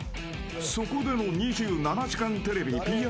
そこでの「２７時間テレビ」ＰＲ